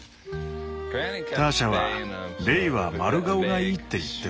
ターシャは「ベイは丸顔がいい」って言ってた。